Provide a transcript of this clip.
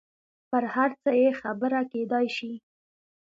پر هر څه یې خبره کېدای شي.